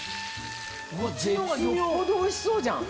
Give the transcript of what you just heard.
こっちの方がよっぽどおいしそうじゃん！